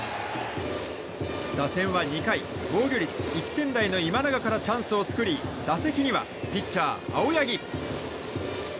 打線は２回防御率１点台の今永から打席にはピッチャー、青柳。